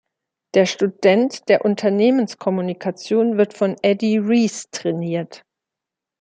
Der Student der Unternehmenskommunikation wird von Eddie Reese trainiert.